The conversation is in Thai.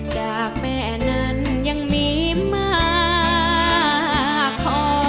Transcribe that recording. จากแม่นั้นยังมีมากพอ